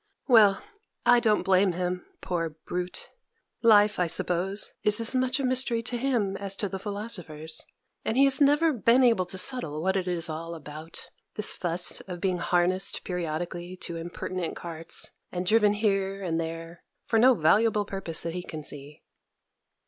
Well, I don't blame him, poor brute! Life, I suppose, is as much a mystery to him as to the philosophers; and he has never been able to settle what it is all about, this fuss of being harnessed periodically to impertinent carts, and driven here and there, for no valuable purpose that he can see.